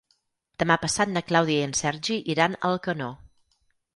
Demà passat na Clàudia i en Sergi iran a Alcanó.